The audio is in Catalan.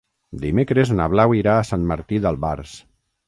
Dimecres na Blau irà a Sant Martí d'Albars.